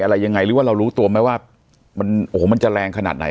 อะไรยังไงหรือว่าเรารู้ตัวไหมว่ามันโอ้โหมันจะแรงขนาดไหน